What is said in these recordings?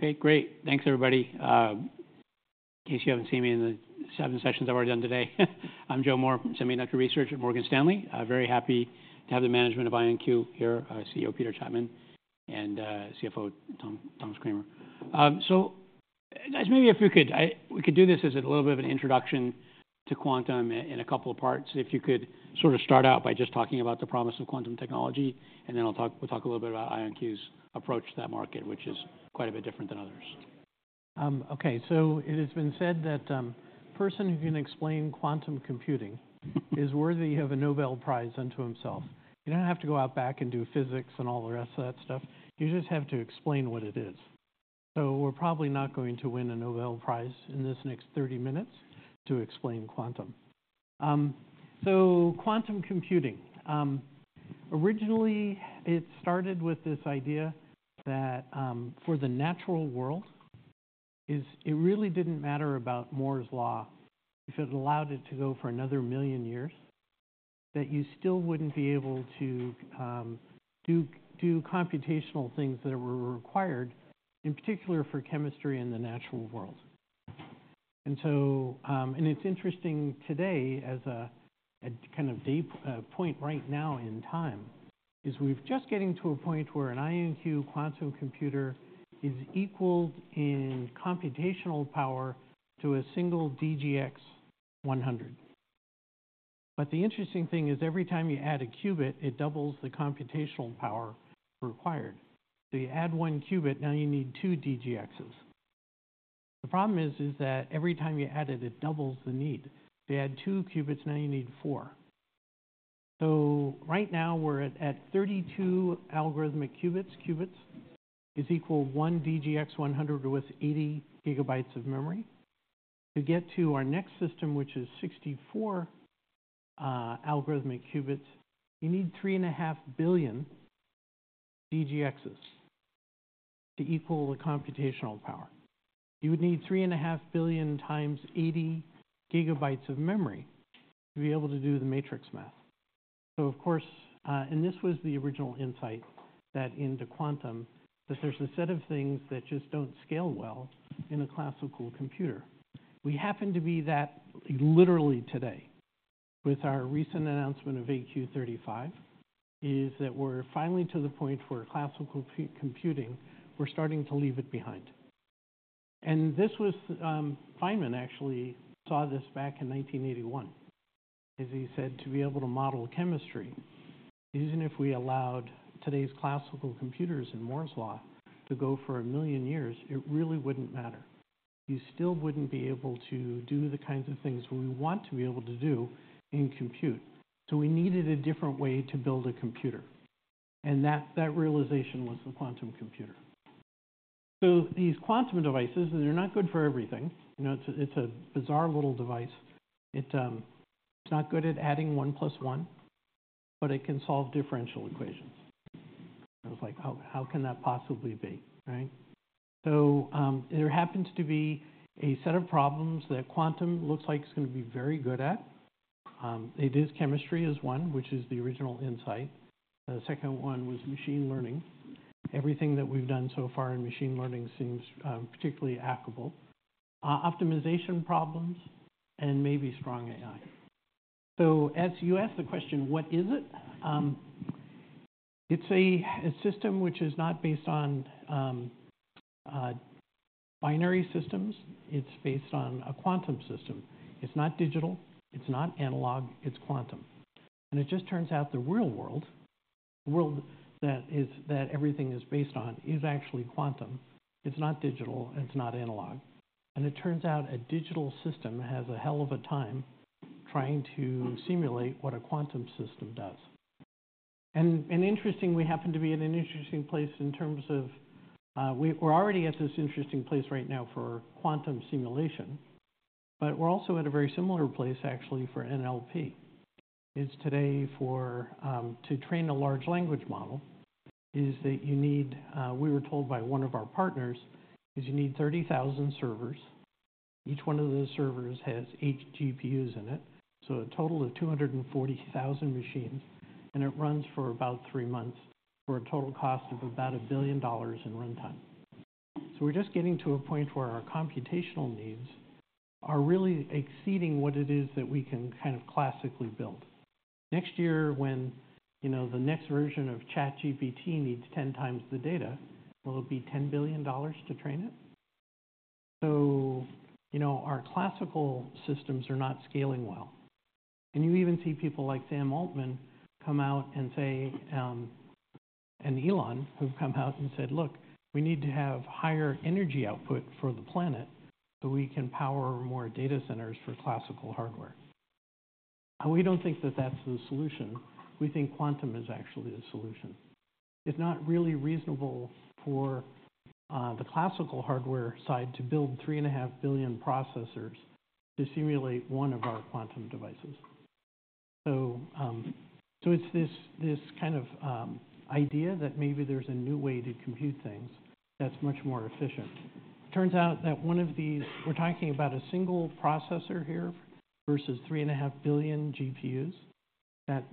Okay, great. Thanks, everybody. In case you haven't seen me in the seven sessions I've already done today, I'm Joe Moore, Semiconductor Research at Morgan Stanley. Very happy to have the management of IonQ here, CEO Peter Chapman, and CFO Thomas Kramer. Guys, maybe if you could, we could do this as a little bit of an introduction to quantum in a couple of parts. If you could sort of start out by just talking about the promise of quantum technology, and then we'll talk a little bit about IonQ's approach to that market, which is quite a bit different than others. Okay. So it has been said that a person who can explain quantum computing is worthy of a Nobel Prize unto himself. You don't have to go out back and do physics and all the rest of that stuff. You just have to explain what it is. So we're probably not going to win a Nobel Prize in this next 30 minutes to explain quantum. So quantum computing originally started with this idea that for the natural world it really didn't matter about Moore's Law. If it allowed it to go for another million years, that you still wouldn't be able to do computational things that were required, in particular for chemistry in the natural world. It's interesting today as a kind of datapoint right now in time. We're just getting to a point where an IonQ quantum computer is equaled in computational power to a single DGX 100. But the interesting thing is every time you add a qubit, it doubles the computational power required. So you add 1 qubit, now you need 2 DGXs. The problem is that every time you add it, it doubles the need. If you add 2 qubits, now you need 4. So right now we're at 32 algorithmic qubits is equal 1 DGX 100 with 80 GB of memory. To get to our next system, which is 64 algorithmic qubits, you need 3.5 billion DGXs to equal the computational power. You would need 3.5 billion times 80 GB of memory to be able to do the matrix math. So, of course, and this was the original insight that into quantum, that there's a set of things that just don't scale well in a classical computer. We happen to be that, literally, today. With our recent announcement of AQ35, is that we're finally to the point where classical computing, we're starting to leave it behind. And this was, Feynman actually saw this back in 1981. As he said, to be able to model chemistry, even if we allowed today's classical computers and Moore's Law to go for 1 million years, it really wouldn't matter. You still wouldn't be able to do the kinds of things we want to be able to do in compute. So we needed a different way to build a computer. That, that realization was the quantum computer. So these quantum devices, and they're not good for everything. You know, it's a, it's a bizarre little device. It, it's not good at adding 1 plus 1, but it can solve differential equations. I was like, oh, how can that possibly be, right? So, there happens to be a set of problems that quantum looks like it's going to be very good at. It is chemistry is one, which is the original insight. The second one was machine learning. Everything that we've done so far in machine learning seems particularly applicable. Optimization problems, and maybe strong AI. So as you ask the question, what is it? It's a, a system which is not based on binary systems. It's based on a quantum system. It's not digital. It's not analog. It's quantum. It just turns out the real world, the world that is, that everything is based on, is actually quantum. It's not digital. It's not analog. It turns out a digital system has a hell of a time trying to simulate what a quantum system does. And interesting, we happen to be at an interesting place in terms of, we're already at this interesting place right now for quantum simulation. But we're also at a very similar place, actually, for NLP. It's today for to train a large language model, it's that you need, we were told by one of our partners, you need 30,000 servers. Each one of those servers has 8 GPUs in it. So a total of 240,000 machines. And it runs for about 3 months for a total cost of about $1 billion in runtime. So we're just getting to a point where our computational needs are really exceeding what it is that we can kind of classically build. Next year when, you know, the next version of ChatGPT needs 10 times the data, will it be $10 billion to train it? So, you know, our classical systems are not scaling well. And you even see people like Sam Altman come out and say, and Elon, who've come out and said, look, we need to have higher energy output for the planet so we can power more data centers for classical hardware. We don't think that that's the solution. We think quantum is actually the solution. It's not really reasonable for, the classical hardware side to build 3.5 billion processors to simulate one of our quantum devices. So it's this kind of idea that maybe there's a new way to compute things that's much more efficient. Turns out that one of these we're talking about a single processor here versus 3.5 billion GPUs.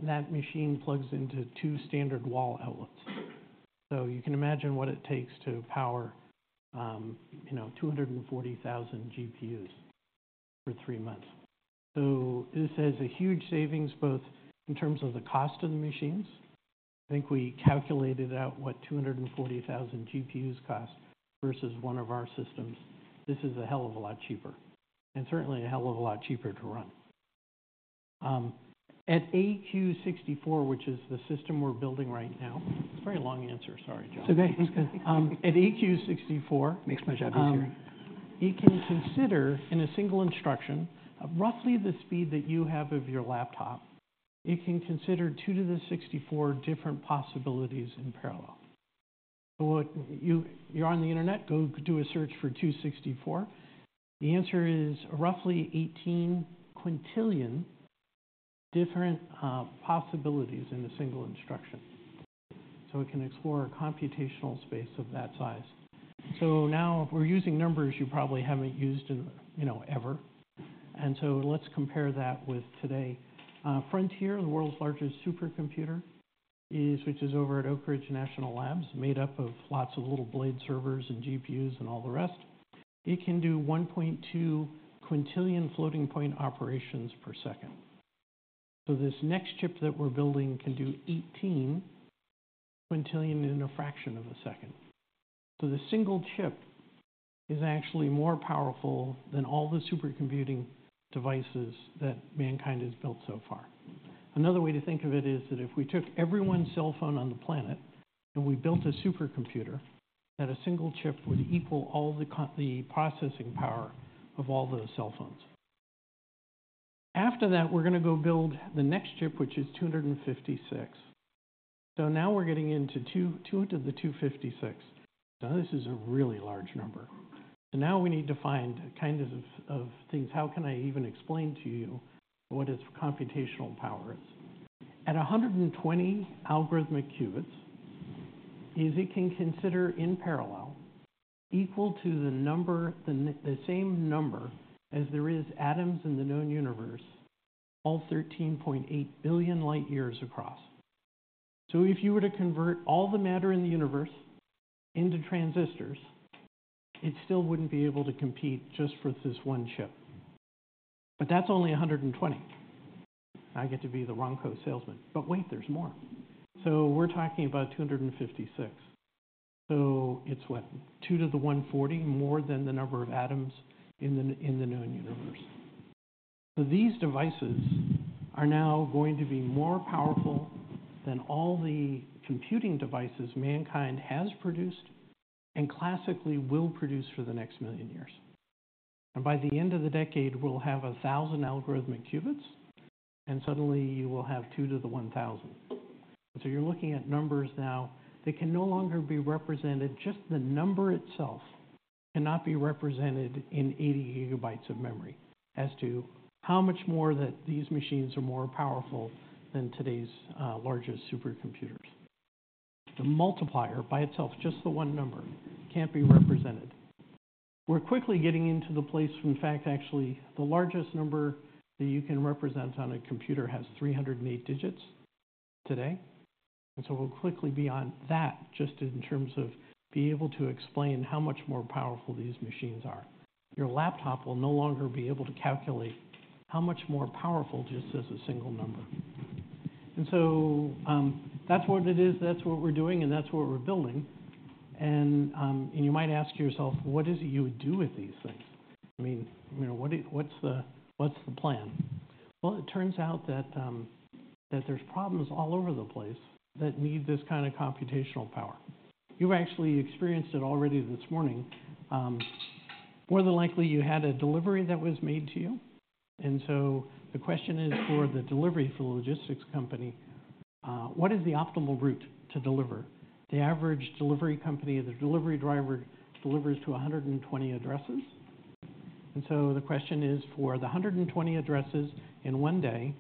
That machine plugs into two standard wall outlets. So you can imagine what it takes to power, you know, 240,000 GPUs for three months. So this has a huge savings both in terms of the cost of the machines. I think we calculated out what 240,000 GPUs cost versus one of our systems. This is a hell of a lot cheaper. And certainly a hell of a lot cheaper to run. At AQ64, which is the system we're building right now it's a very long answer. Sorry, John. It's OK. It's good. At AQ64. Makes my job easier. It can consider, in a single instruction, at roughly the speed that you have of your laptop, it can consider 2 to the 64 different possibilities in parallel. So what you, you're on the internet. Go do a search for 2^64. The answer is roughly 18 quintillion different possibilities in a single instruction. So it can explore a computational space of that size. So now if we're using numbers you probably haven't used in, you know, ever. And so let's compare that with today. Frontier, the world's largest supercomputer, which is over at Oak Ridge National Labs, made up of lots of little blade servers and GPUs and all the rest. It can do 1.2 quintillion floating point operations per second. So this next chip that we're building can do 18 quintillion in a fraction of a second. So the single chip is actually more powerful than all the supercomputing devices that mankind has built so far. Another way to think of it is that if we took everyone's cell phone on the planet and we built a supercomputer, that a single chip would equal all the processing power of all those cell phones. After that, we're going to go build the next chip, which is 256. So now we're getting into 2 to the 256. Now this is a really large number. So now we need to find kinds of things. How can I even explain to you what its computational power is? At 120 algorithmic qubits, it can consider in parallel equal to the number, the same number as there is atoms in the known universe, all 13.8 billion light-years across. So if you were to convert all the matter in the universe into transistors, it still wouldn't be able to compete just for this one chip. But that's only 120. I get to be the Ronco salesman. But wait, there's more. So we're talking about 256. So it's, what, 2 to the 140, more than the number of atoms in the known universe. So these devices are now going to be more powerful than all the computing devices mankind has produced and classically will produce for the next million years. And by the end of the decade, we'll have 1,000 algorithmic qubits, and suddenly you will have 2 to the 1,000. And so you're looking at numbers now that can no longer be represented. Just the number itself cannot be represented in 80 GB of memory as to how much more powerful these machines are than today's largest supercomputers. The multiplier by itself, just the one number, can't be represented. We're quickly getting into the place when, in fact, actually the largest number that you can represent on a computer has 308 digits today. And so we'll quickly be on that just in terms of being able to explain how much more powerful these machines are. Your laptop will no longer be able to calculate how much more powerful just as a single number. And so, that's what it is. That's what we're doing. And that's what we're building. And you might ask yourself, what is it you would do with these things? I mean, you know, what I what's the what's the plan? Well, it turns out that, that there's problems all over the place that need this kind of computational power. You've actually experienced it already this morning. More than likely, you had a delivery that was made to you. And so the question is for the delivery for the logistics company, what is the optimal route to deliver? The average delivery company, the delivery driver delivers to 120 addresses. And so the question is for the 120 addresses in one day,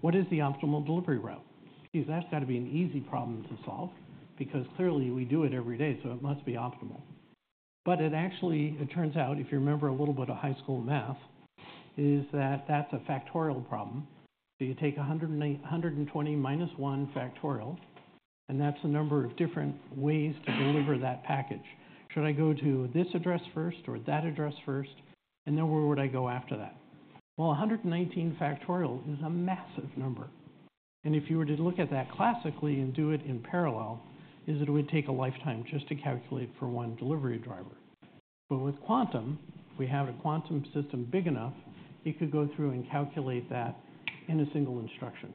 what is the optimal delivery route? Geez, that's got to be an easy problem to solve because clearly we do it every day. So it must be optimal. But it actually, it turns out, if you remember a little bit of high school math, is that that's a factorial problem. So you take 100, 120 minus 1 factorial, and that's the number of different ways to deliver that package. Should I go to this address first or that address first? And then where would I go after that? Well, 119 factorial is a massive number. And if you were to look at that classically and do it in parallel, it would take a lifetime just to calculate for one delivery driver. But with quantum, we have a quantum system big enough it could go through and calculate that in a single instruction.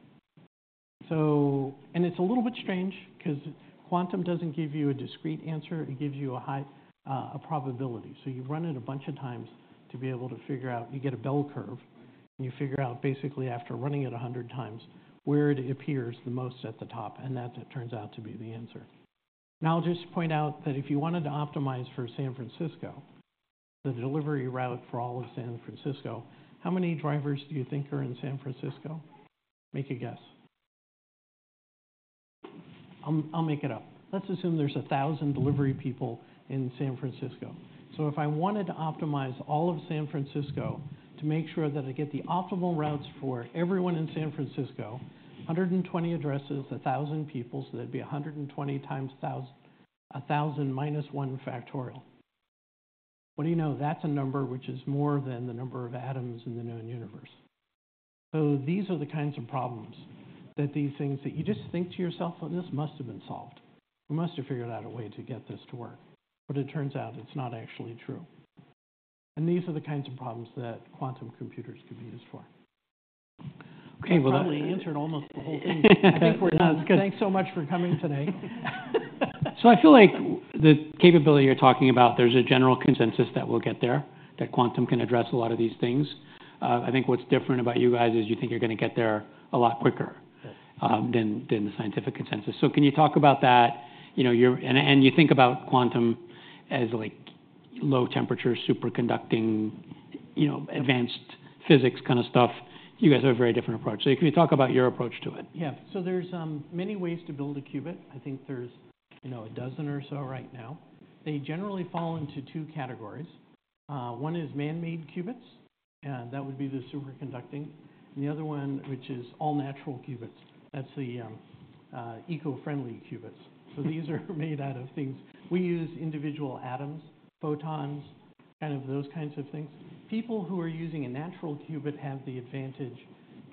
So and it's a little bit strange because quantum doesn't give you a discrete answer. It gives you a high, a probability. So you run it a bunch of times to be able to figure out you get a bell curve. You figure out, basically, after running it 100 times, where it appears the most at the top. That turns out to be the answer. Now I'll just point out that if you wanted to optimize for San Francisco, the delivery route for all of San Francisco, how many drivers do you think are in San Francisco? Make a guess. I'll, I'll make it up. Let's assume there's 1,000 delivery people in San Francisco. So if I wanted to optimize all of San Francisco to make sure that I get the optimal routes for everyone in San Francisco, 120 addresses, 1,000 peoples, that'd be 120 times 1,000, 1,000 minus 1 factorial. What do you know? That's a number which is more than the number of atoms in the known universe. So these are the kinds of problems that these things that you just think to yourself, well, this must have been solved. We must have figured out a way to get this to work. But it turns out it's not actually true. And these are the kinds of problems that quantum computers could be used for. OK. Well, that. I've probably answered almost the whole thing. I think we're done. Thanks so much for coming today. So I feel like the capability you're talking about, there's a general consensus that we'll get there, that quantum can address a lot of these things. I think what's different about you guys is you think you're going to get there a lot quicker than the scientific consensus. So can you talk about that? You know, you think about quantum as, like, low temperature, superconducting, you know, advanced physics kind of stuff. You guys have a very different approach. So can you talk about your approach to it? Yeah. So there's many ways to build a qubit. I think there's, you know, a dozen or so right now. They generally fall into two categories. One is man-made qubits. And that would be the superconducting. And the other one, which is all-natural qubits. That's the eco-friendly qubits. So these are made out of things we use individual atoms, photons, kind of those kinds of things. People who are using a natural qubit have the advantage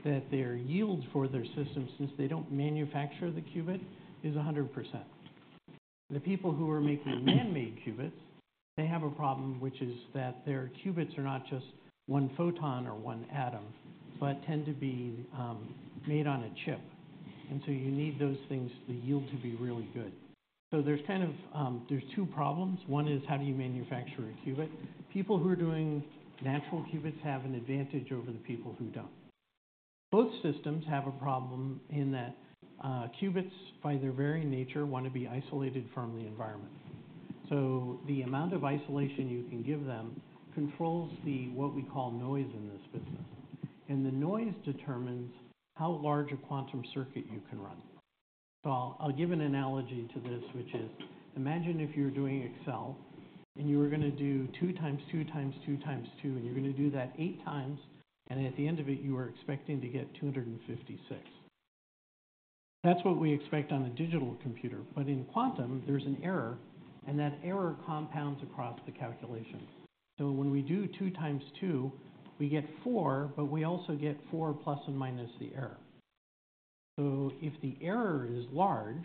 that their yield for their system since they don't manufacture the qubit is 100%. The people who are making man-made qubits, they have a problem, which is that their qubits are not just one photon or one atom but tend to be made on a chip. And so you need those things, the yield, to be really good. So there's kind of, there's two problems. One is how do you manufacture a qubit? People who are doing natural qubits have an advantage over the people who don't. Both systems have a problem in that, qubits, by their very nature, want to be isolated from the environment. So the amount of isolation you can give them controls the what we call noise in this business. And the noise determines how large a quantum circuit you can run. So I'll, I'll give an analogy to this, which is imagine if you're doing Excel and you were going to do 2 times 2 times 2 times 2. And you're going to do that 8 times. And at the end of it, you were expecting to get 256. That's what we expect on a digital computer. But in quantum, there's an error. And that error compounds across the calculation. So when we do 2 times 2, we get 4. But we also get 4 ± the error. So if the error is large,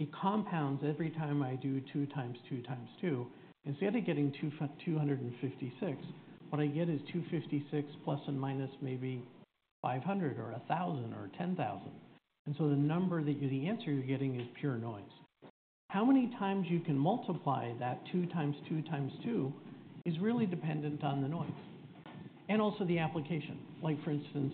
it compounds every time I do 2 times 2 times 2. Instead of getting 256, what I get is 256 ± maybe 500 or 1,000 or 10,000. And so the number, the answer you're getting, is pure noise. How many times you can multiply that 2 times 2 times 2 is really dependent on the noise and also the application. Like, for instance,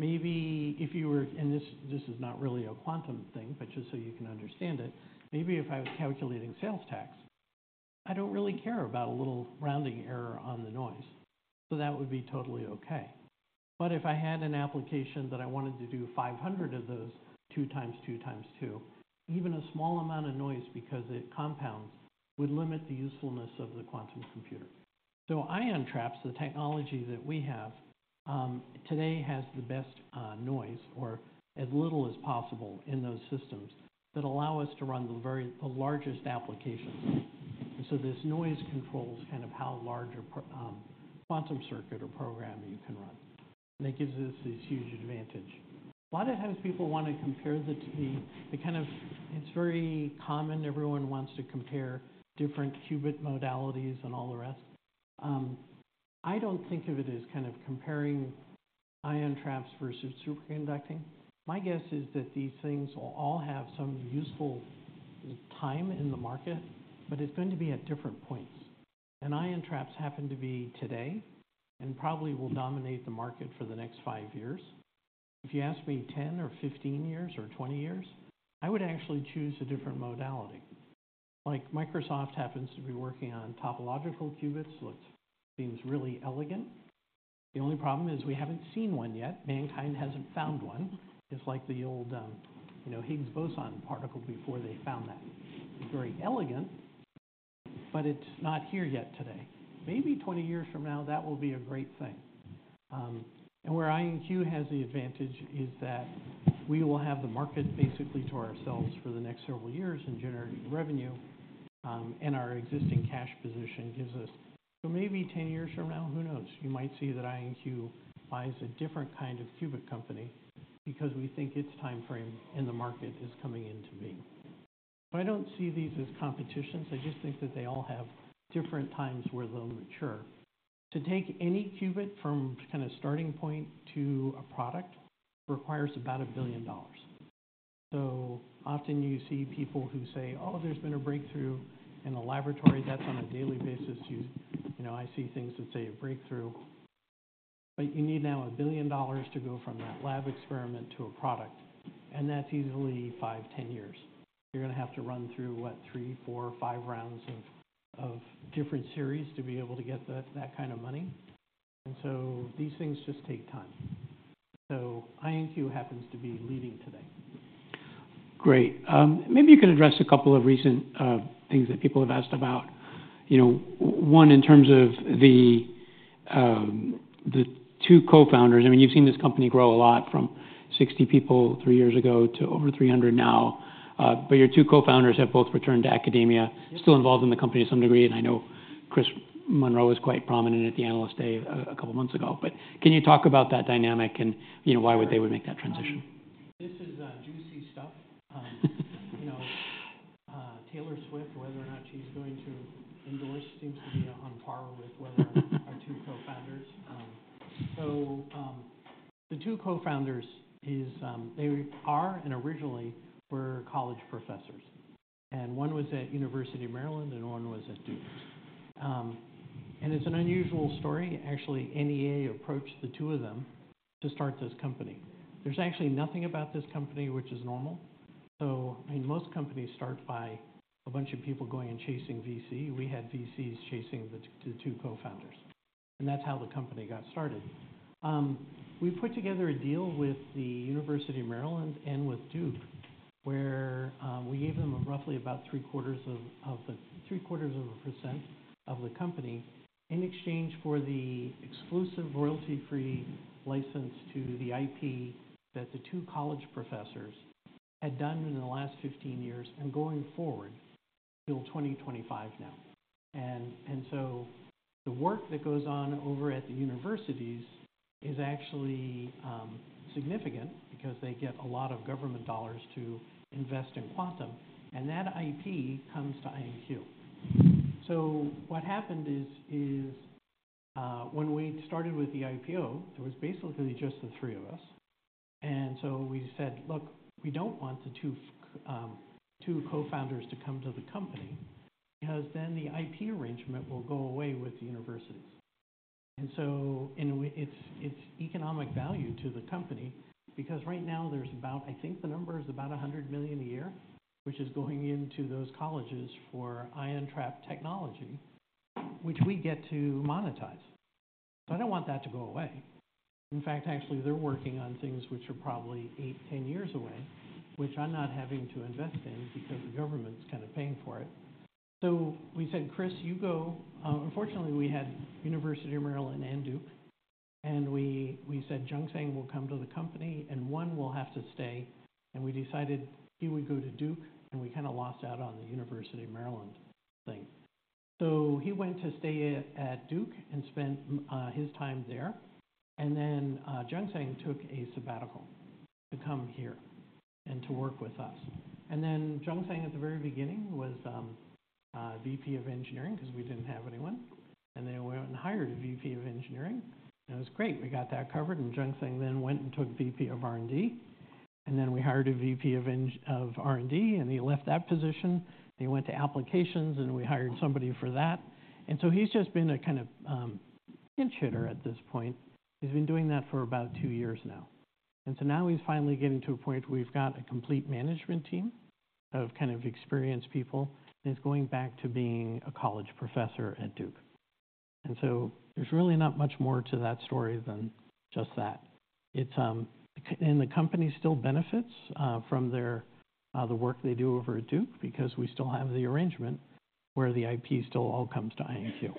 maybe if you were, and this, this is not really a quantum thing. But just so you can understand it, maybe if I was calculating sales tax, I don't really care about a little rounding error on the noise. So that would be totally OK. But if I had an application that I wanted to do 500 of those 2 times 2 times 2, even a small amount of noise because it compounds would limit the usefulness of the quantum computer. So ion traps, the technology that we have today, has the best noise or as little as possible in those systems that allow us to run the very largest applications. And so this noise controls kind of how large a quantum circuit or program you can run. And it gives us this huge advantage. A lot of times, people want to compare the kind of. It's very common. Everyone wants to compare different qubit modalities and all the rest. I don't think of it as kind of comparing ion traps versus superconducting. My guess is that these things will all have some useful time in the market. But it's going to be at different points. And ion traps happen to be today and probably will dominate the market for the next 5 years. If you ask me 10 or 15 years or 20 years, I would actually choose a different modality. Like, Microsoft happens to be working on topological qubits. Looks seems really elegant. The only problem is we haven't seen one yet. Mankind hasn't found one. It's like the old, you know, Higgs boson particle before they found that. It's very elegant. But it's not here yet today. Maybe 20 years from now, that will be a great thing. And where IonQ has the advantage is that we will have the market, basically, to ourselves for the next several years in generating revenue. And our existing cash position gives us. So maybe 10 years from now, who knows? You might see that IonQ buys a different kind of qubit company because we think it's time frame in the market is coming into being. So I don't see these as competitions. I just think that they all have different times where they'll mature. To take any qubit from kind of starting point to a product requires about $1 billion. So often you see people who say, oh, there's been a breakthrough in a laboratory that's on a daily basis. You know, I see things that say a breakthrough. But you need now $1 billion to go from that lab experiment to a product. And that's easily 5, 10 years. You're going to have to run through, what, 3, 4, 5 rounds of different series to be able to get that kind of money. And so these things just take time. IonQ happens to be leading today. Great. Maybe you could address a couple of recent things that people have asked about. You know, one, in terms of the two co-founders. I mean, you've seen this company grow a lot from 60 people three years ago to over 300 now. But your two co-founders have both returned to academia, still involved in the company to some degree. And I know Chris Monroe was quite prominent at the Analyst Day a couple months ago. But can you talk about that dynamic and, you know, why they would make that transition? This is juicy stuff. You know, Taylor Swift, whether or not she's going to endorse, seems to be on par with whether our two co-founders. So, the two co-founders is, they are and originally were college professors. One was at University of Maryland. One was at Duke. It's an unusual story. Actually, NEA approached the two of them to start this company. There's actually nothing about this company which is normal. So, I mean, most companies start by a bunch of people going and chasing VC. We had VCs chasing the, the two co-founders. That's how the company got started. We put together a deal with the University of Maryland and with Duke where we gave them roughly about 3/4 of, of the 3/4% of the company in exchange for the exclusive royalty-free license to the IP that the two college professors had done in the last 15 years and going forward till 2025 now. And so the work that goes on over at the universities is actually significant because they get a lot of government dollars to invest in quantum. And that IP comes to IonQ. So what happened is when we started with the IPO, there was basically just the three of us. And so we said, look, we don't want the two co-founders to come to the company because then the IP arrangement will go away with the universities. It's economic value to the company because right now, there's about I think the number is about $100 million a year, which is going into those colleges for ion trap technology, which we get to monetize. So I don't want that to go away. In fact, actually, they're working on things which are probably 8-10 years away, which I'm not having to invest in because the government's kind of paying for it. So we said, Chris, you go. Unfortunately, we had University of Maryland and Duke. And we said Jungsang will come to the company. And one will have to stay. And we decided he would go to Duke. And we kind of lost out on the University of Maryland thing. So he went to stay at Duke and spent his time there. And then, Jungsang took a sabbatical to come here and to work with us. And then Jungsang, at the very beginning, was VP of Engineering because we didn't have anyone. And then he went and hired a VP of Engineering. And it was great. We got that covered. And Jungsang then went and took VP of R&D. And then we hired a VP of engineering of R&D. And he left that position. He went to applications. And we hired somebody for that. And so he's just been a kind of pinch hitter at this point. He's been doing that for about two years now. And so now, he's finally getting to a point where we've got a complete management team of kind of experienced people. And he's going back to being a college professor at Duke. And so there's really not much more to that story than just that. It's and the company still benefits from the work they do over at Duke because we still have the arrangement where the IP still all comes to IonQ.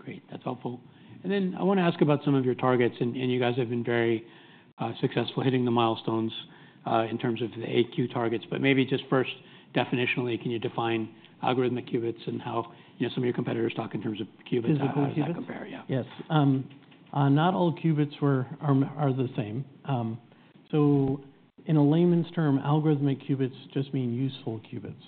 Great. That's helpful. And then I want to ask about some of your targets. And you guys have been very successful hitting the milestones in terms of the AQ targets. But maybe just first, definitionally, can you define algorithmic qubits and how, you know, some of your competitors talk in terms of qubits as a comparison? Physical qubits? Yeah. Yes. Not all qubits are the same. So in a layman's term, algorithmic qubits just mean useful qubits.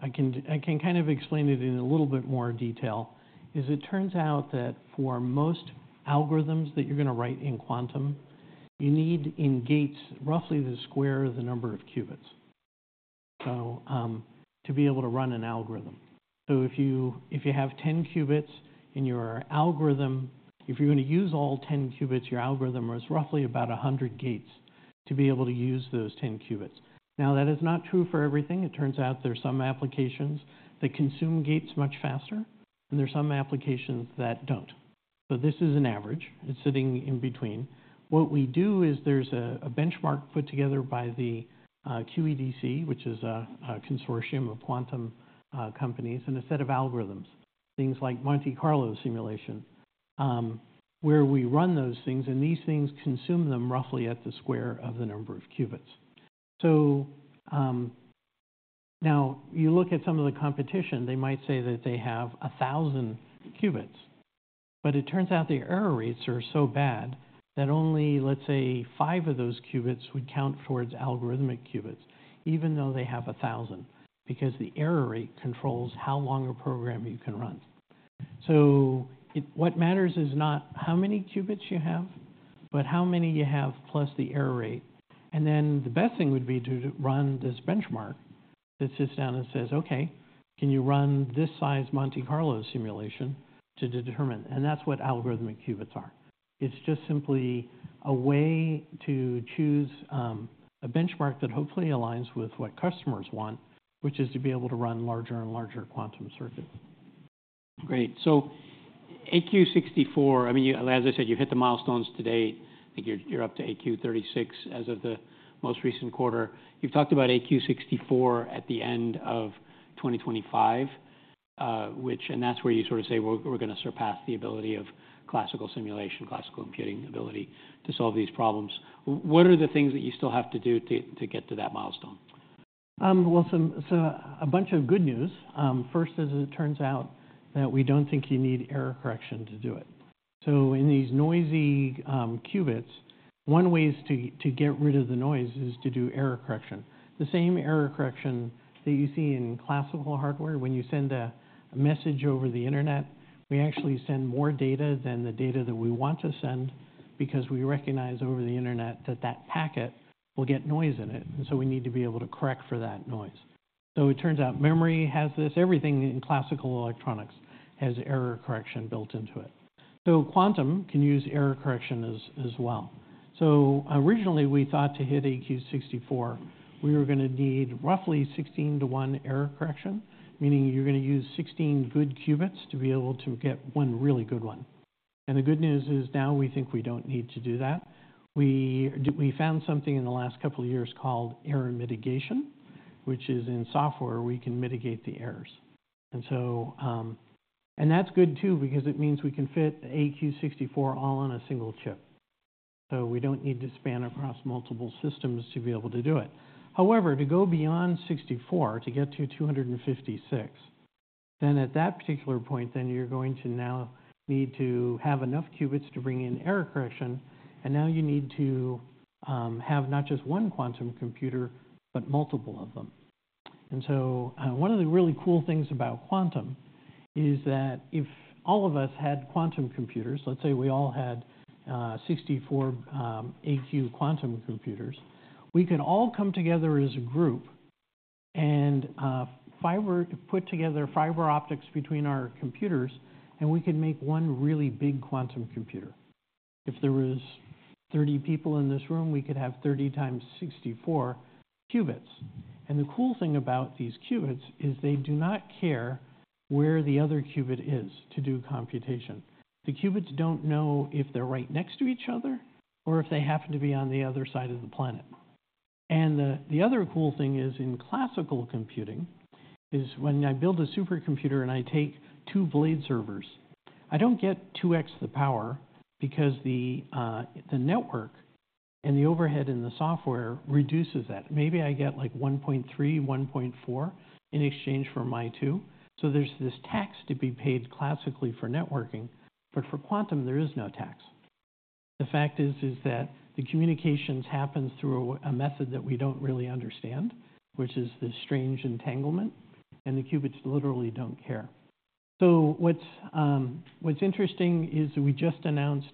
I can kind of explain it in a little bit more detail. It turns out that for most algorithms that you're going to write in quantum, you need in gates roughly the square of the number of qubits, so, to be able to run an algorithm. So if you have 10 qubits in your algorithm, if you're going to use all 10 qubits, your algorithm has roughly about 100 gates to be able to use those 10 qubits. Now, that is not true for everything. It turns out there's some applications that consume gates much faster. And there's some applications that don't. So this is an average. It's sitting in between. What we do is there's a benchmark put together by the QEDC, which is a consortium of quantum companies, and a set of algorithms, things like Monte Carlo simulation, where we run those things. These things consume them roughly at the square of the number of qubits. So now you look at some of the competition, they might say that they have 1,000 qubits. But it turns out the error rates are so bad that only, let's say, 5 of those qubits would count towards algorithmic qubits, even though they have 1,000 because the error rate controls how long a program you can run. So what matters is not how many qubits you have but how many you have plus the error rate. Then the best thing would be to run this benchmark that sits down and says, OK, can you run this size Monte Carlo simulation to determine? That's what Algorithmic Qubits are. It's just simply a way to choose, a benchmark that hopefully aligns with what customers want, which is to be able to run larger and larger quantum circuits. Great. So AQ64, I mean, you, as I said, you hit the milestones to date. I think you're up to AQ36 as of the most recent quarter. You've talked about AQ64 at the end of 2025, which, and that's where you sort of say, well, we're going to surpass the ability of classical simulation, classical computing ability to solve these problems. What are the things that you still have to do to get to that milestone? Well, so a bunch of good news. First, as it turns out, that we don't think you need error correction to do it. So in these noisy qubits, one way is to get rid of the noise is to do error correction, the same error correction that you see in classical hardware when you send a message over the internet. We actually send more data than the data that we want to send because we recognize over the internet that that packet will get noise in it. And so we need to be able to correct for that noise. So it turns out memory has this. Everything in classical electronics has error correction built into it. So quantum can use error correction as well. So originally, we thought to hit AQ64, we were going to need roughly 16-to-1 error correction, meaning you're going to use 16 good qubits to be able to get one really good one. And the good news is now, we think we don't need to do that. We do; we found something in the last couple of years called error mitigation, which is in software; we can mitigate the errors. And so, and that's good, too, because it means we can fit AQ64 all on a single chip. So we don't need to span across multiple systems to be able to do it. However, to go beyond 64 to get to 256, then at that particular point, then you're going to now need to have enough qubits to bring in error correction. And now, you need to have not just one quantum computer but multiple of them. And so, one of the really cool things about quantum is that if all of us had quantum computers, let's say we all had 64 AQ quantum computers. We could all come together as a group and fiber put together fiber optics between our computers. And we could make one really big quantum computer. If there was 30 people in this room, we could have 30 times 64 qubits. And the cool thing about these qubits is they do not care where the other qubit is to do computation. The qubits don't know if they're right next to each other or if they happen to be on the other side of the planet. And the other cool thing is in classical computing is when I build a supercomputer and I take two blade servers, I don't get 2x the power because the network and the overhead in the software reduces that. Maybe I get, like, 1.3, 1.4 in exchange for my two. So there's this tax to be paid classically for networking. But for quantum, there is no tax. The fact is that the communications happens through a method that we don't really understand, which is this strange entanglement. And the qubits literally don't care. So what's interesting is we just announced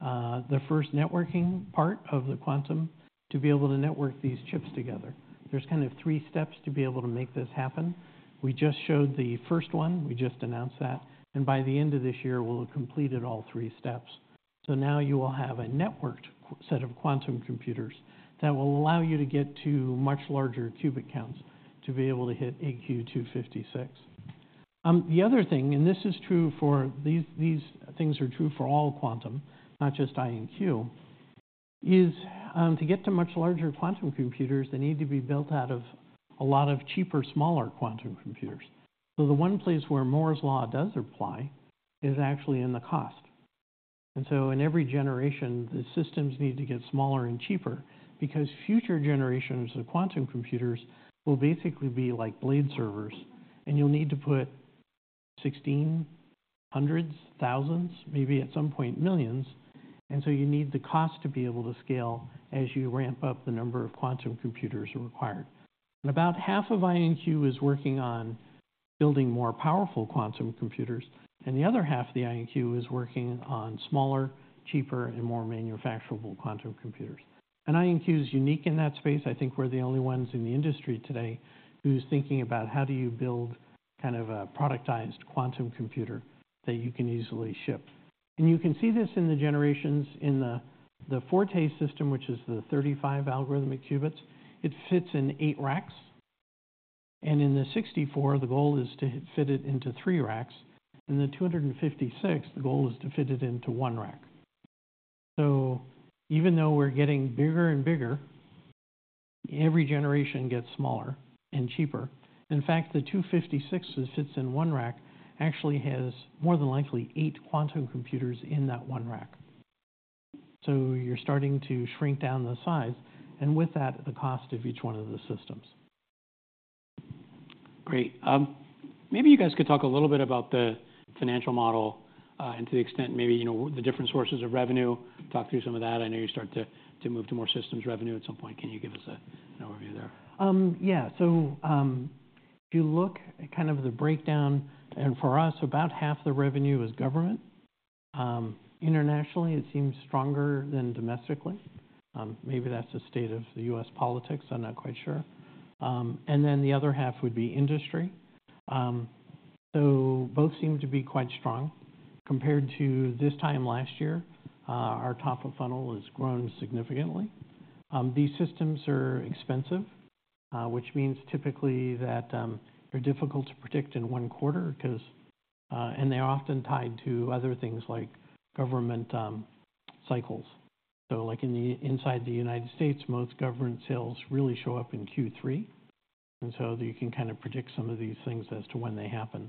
the first networking part of the quantum to be able to network these chips together. There's kind of three steps to be able to make this happen. We just showed the first one. We just announced that. By the end of this year, we'll have completed all three steps. So now, you will have a networked set of quantum computers that will allow you to get to much larger qubit counts to be able to hit AQ256. The other thing, and this is true for these, these things are true for all quantum, not just IonQ, is, to get to much larger quantum computers, they need to be built out of a lot of cheaper, smaller quantum computers. So the one place where Moore's Law does apply is actually in the cost. And so in every generation, the systems need to get smaller and cheaper because future generations of quantum computers will basically be like blade servers. And you'll need to put 1,600s, thousandss, maybe at some point, millions. And so you need the cost to be able to scale as you ramp up the number of quantum computers required. And about half of IonQ is working on building more powerful quantum computers. And the other half of the IonQ is working on smaller, cheaper, and more manufacturable quantum computers. And IonQ is unique in that space. I think we're the only ones in the industry today who's thinking about how do you build kind of a productized quantum computer that you can easily ship. And you can see this in the generations in the Forte system, which is the 35 Algorithmic Qubits. It fits in 8 racks. And in the 64, the goal is to fit it into 3 racks. In the 256, the goal is to fit it into 1 rack. So even though we're getting bigger and bigger, every generation gets smaller and cheaper. In fact, the 256 that fits in 1 rack actually has more than likely 8 quantum computers in that 1 rack. So you're starting to shrink down the size and with that, the cost of each one of the systems. Great. Maybe you guys could talk a little bit about the financial model, and to the extent maybe, you know, the different sources of revenue, talk through some of that. I know you start to, to move to more systems revenue at some point. Can you give us a, an overview there? Yeah. So, if you look at kind of the breakdown, and for us, about half the revenue is government. Internationally, it seems stronger than domestically. Maybe that's the state of the U.S. politics. I'm not quite sure. And then the other half would be industry. So both seem to be quite strong. Compared to this time last year, our top of funnel has grown significantly. These systems are expensive, which means typically that they're difficult to predict in one quarter because and they're often tied to other things like government cycles. So, like, inside the United States, most government sales really show up in Q3. And so you can kind of predict some of these things as to when they happen,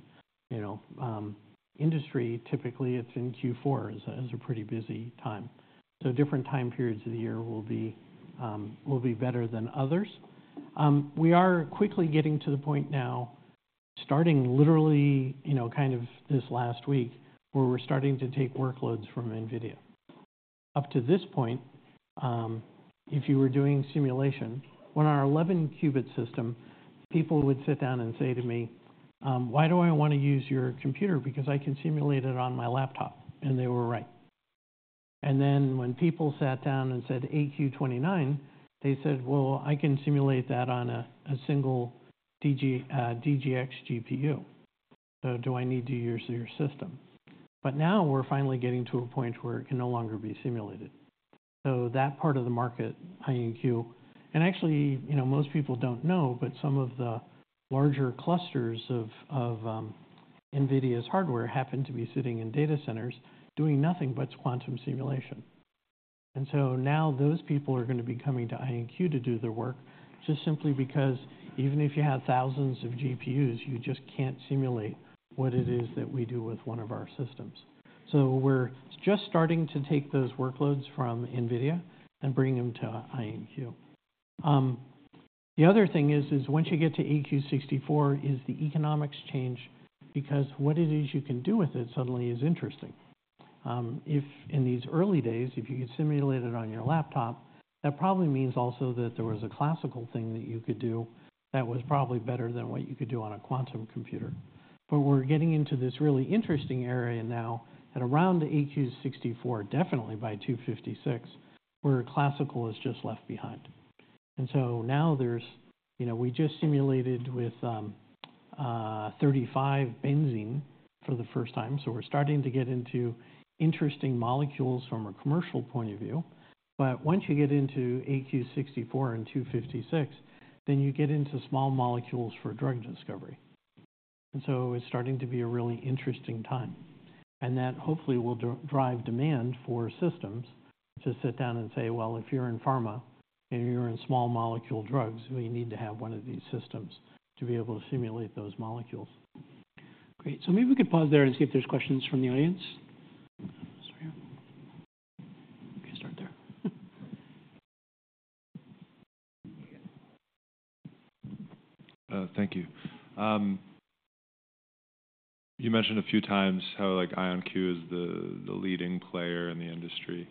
you know. Industry, typically, it's in Q4 as a pretty busy time. So different time periods of the year will be, will be better than others. We are quickly getting to the point now, starting literally, you know, kind of this last week, where we're starting to take workloads from NVIDIA. Up to this point, if you were doing simulation, when our 11-qubit system, people would sit down and say to me, why do I want to use your computer because I can simulate it on my laptop? And they were right. And then when people sat down and said AQ29, they said, well, I can simulate that on a single DGX GPU. So do I need to use your system? But now, we're finally getting to a point where it can no longer be simulated. So that part of the market, IonQ and actually, you know, most people don't know. But some of the larger clusters of NVIDIA's hardware happen to be sitting in data centers doing nothing but quantum simulation. And so now, those people are going to be coming to IonQ to do their work just simply because even if you have thousands of GPUs, you just can't simulate what it is that we do with one of our systems. So we're just starting to take those workloads from NVIDIA and bring them to IonQ. The other thing is, once you get to AQ64, is the economics change? Because what it is you can do with it suddenly is interesting. If in these early days, if you could simulate it on your laptop, that probably means also that there was a classical thing that you could do that was probably better than what you could do on a quantum computer. But we're getting into this really interesting area now. And around AQ64, definitely by 256, where classical is just left behind. And so now, there's, you know, we just simulated with 35 benzene for the first time. So we're starting to get into interesting molecules from a commercial point of view. But once you get into AQ64 and 256, then you get into small molecules for drug discovery. And so it's starting to be a really interesting time. And that hopefully will drive demand for systems to sit down and say, well, if you're in pharma and you're in small molecule drugs, we need to have one of these systems to be able to simulate those molecules. Great. So maybe we could pause there and see if there's questions from the audience. Sorry. OK, start there. Thank you. You mentioned a few times how, like, IonQ is the, the leading player in the industry.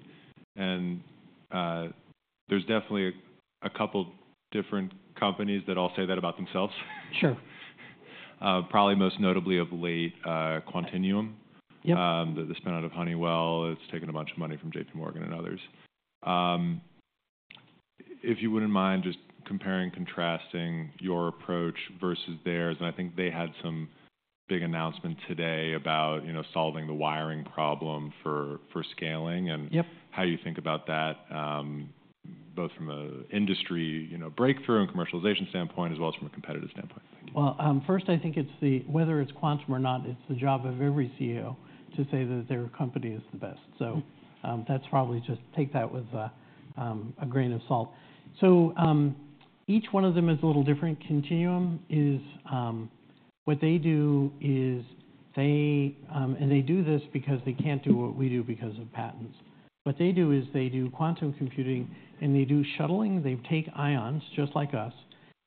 There's definitely a couple different companies that all say that about themselves. Sure. probably most notably of late, Quantinuum. Yep. The spin-out of Honeywell. It's taken a bunch of money from J.P. Morgan and others. If you wouldn't mind just comparing, contrasting your approach versus theirs. I think they had some big announcement today about, you know, solving the wiring problem for scaling and. Yep. How you think about that, both from an industry, you know, breakthrough and commercialization standpoint as well as from a competitive standpoint? Thank you. Well, first, I think it's whether it's quantum or not, it's the job of every CEO to say that their company is the best. So, that's probably just take that with a grain of salt. So, each one of them is a little different. Quantinuum is, what they do is they, and they do this because they can't do what we do because of patents. What they do is they do quantum computing. And they do shuttling. They take ions just like us.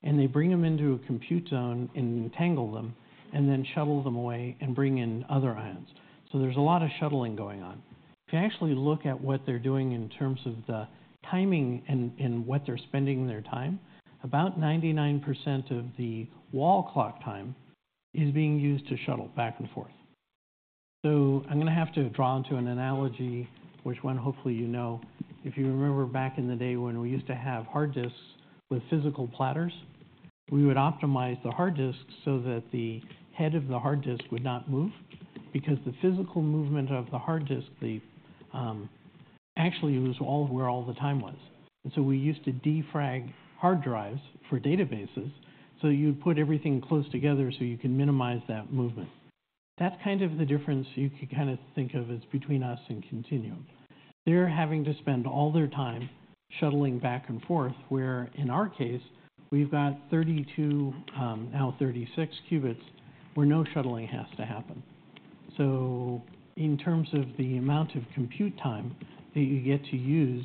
And they bring them into a compute zone and entangle them and then shuttle them away and bring in other ions. So there's a lot of shuttling going on. If you actually look at what they're doing in terms of the timing and, and what they're spending their time, about 99% of the wall clock time is being used to shuttle back and forth. So I'm going to have to draw into an analogy, which one hopefully you know. If you remember back in the day when we used to have hard disks with physical platters, we would optimize the hard disks so that the head of the hard disk would not move because the physical movement of the hard disk, actually was all where all the time was. And so we used to defrag hard drives for databases so that you'd put everything close together so you can minimize that movement. That's kind of the difference you could kind of think of as between us and Quantinuum. They're having to spend all their time shuttling back and forth, where in our case, we've got 32, now 36 qubits where no shuttling has to happen. So, in terms of the amount of compute time that you get to use,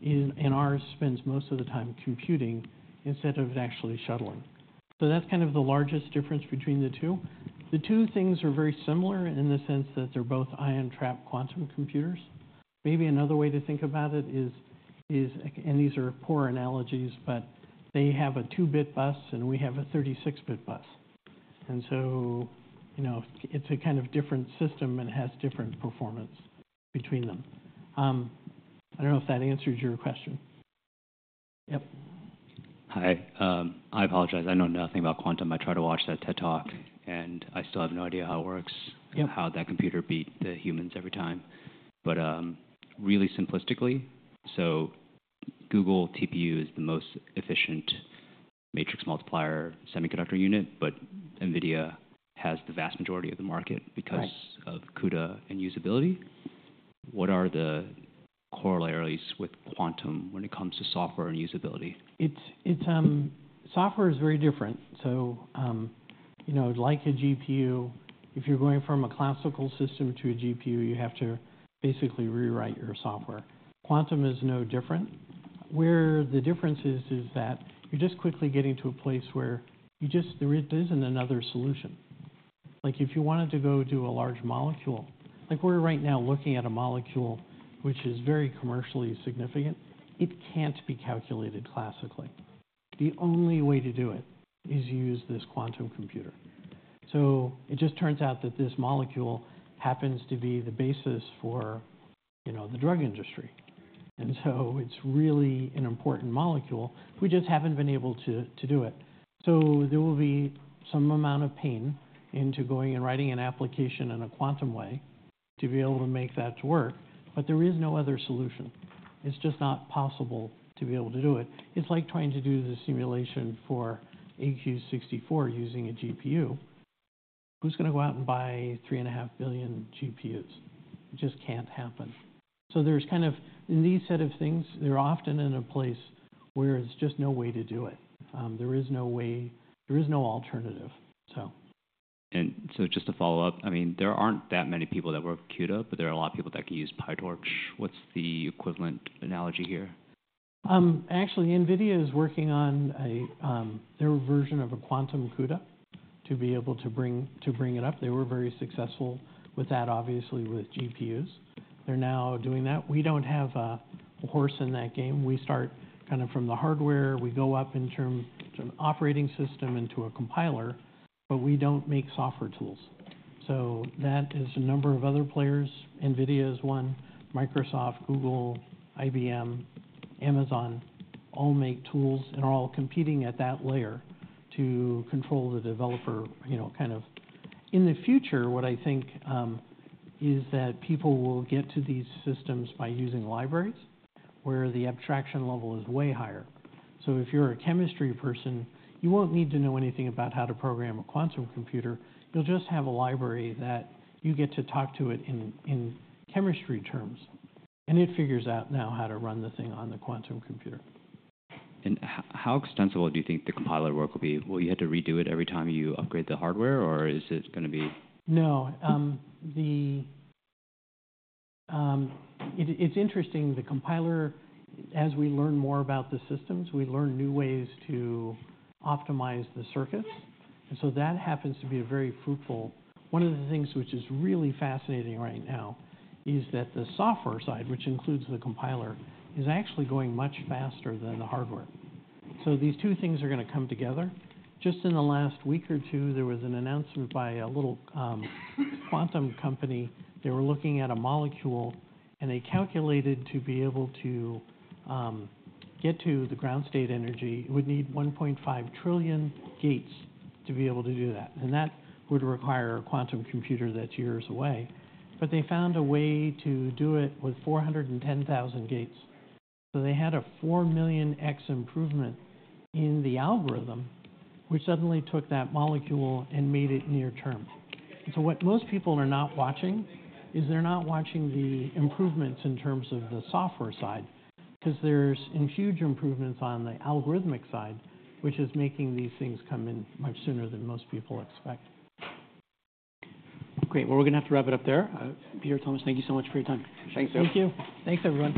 in ours spends most of the time computing instead of actually shuttling. So that's kind of the largest difference between the two. The two things are very similar in the sense that they're both ion trap quantum computers. Maybe another way to think about it is, and these are poor analogies. But they have a 2-bit bus. And we have a 36-bit bus. And so, you know, it's a kind of different system. And it has different performance between them. I don't know if that answers your question. Yep. Hi. I apologize. I know nothing about quantum. I try to watch that TED Talk. I still have no idea how it works and how that computer beat the humans every time. Really simplistically, Google TPU is the most efficient matrix multiplier semiconductor unit. NVIDIA has the vast majority of the market because of CUDA and usability. What are the corollaries with quantum when it comes to software and usability? It's software is very different. So, you know, like a GPU, if you're going from a classical system to a GPU, you have to basically rewrite your software. Quantum is no different. Where the difference is that you're just quickly getting to a place where you just there isn't another solution. Like, if you wanted to go do a large molecule like, we're right now looking at a molecule which is very commercially significant. It can't be calculated classically. The only way to do it is use this quantum computer. So it just turns out that this molecule happens to be the basis for, you know, the drug industry. And so it's really an important molecule. We just haven't been able to do it. So there will be some amount of pain into going and writing an application in a quantum way to be able to make that work. But there is no other solution. It's just not possible to be able to do it. It's like trying to do the simulation for AQ64 using a GPU. Who's going to go out and buy 3.5 billion GPUs? It just can't happen. So there's kind of in these set of things, they're often in a place where there's just no way to do it. There is no way. There is no alternative, so. And so just to follow up, I mean, there aren't that many people that work with CUDA. But there are a lot of people that can use PyTorch. What's the equivalent analogy here? Actually, NVIDIA is working on their version of a quantum CUDA to be able to bring it up. They were very successful with that, obviously, with GPUs. They're now doing that. We don't have a horse in that game. We start kind of from the hardware. We go up in terms of operating system into a compiler. But we don't make software tools. So that is a number of other players. NVIDIA is one. Microsoft, Google, IBM, Amazon all make tools. And they're all competing at that layer to control the developer, you know, kind of. In the future, what I think, is that people will get to these systems by using libraries where the abstraction level is way higher. So if you're a chemistry person, you won't need to know anything about how to program a quantum computer. You'll just have a library that you get to talk to it in, in chemistry terms. It figures out now how to run the thing on the quantum computer. How extensible do you think the compiler work will be? Will you have to redo it every time you upgrade the hardware? Or is it going to be? No, it's interesting. The compiler, as we learn more about the systems, we learn new ways to optimize the circuits. And so that happens to be a very fruitful one of the things which is really fascinating right now is that the software side, which includes the compiler, is actually going much faster than the hardware. So these two things are going to come together. Just in the last week or two, there was an announcement by a little quantum company. They were looking at a molecule. And they calculated to be able to get to the ground state energy. It would need 1.5 trillion gates to be able to do that. And that would require a quantum computer that's years away. But they found a way to do it with 410,000 gates. So they had a 4 million x improvement in the algorithm which suddenly took that molecule and made it near term. And so what most people are not watching is they're not watching the improvements in terms of the software side because there's huge improvements on the algorithmic side which is making these things come in much sooner than most people expect. Great. Well, we're going to have to wrap it up there. Peter, Thomas, thank you so much for your time. Thanks, Joe. Thank you. Thanks, everyone.